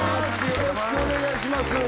よろしくお願いします